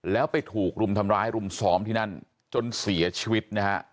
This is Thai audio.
แล้วไปถูกรุมทำร้ายรุมซ้อมที่นั่นจนเสียชีวิตนะฮะ